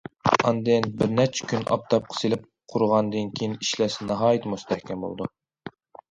ئاندىن بىر نەچچە كۈن ئاپتاپقا سېلىپ قۇرۇغاندىن كېيىن، ئىشلەتسە ناھايىتى مۇستەھكەم بولىدۇ.